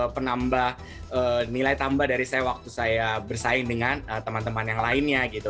penambah nilai tambah dari saya waktu saya bersaing dengan teman teman yang lainnya gitu